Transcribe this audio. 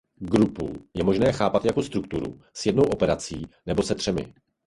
Grupu je možné chápat jako strukturu s jednou operací nebo se třemi.